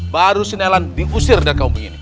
baru sinelan diusir dari kemungkinan ini